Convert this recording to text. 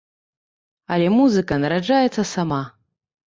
Але музыка нараджаецца сама.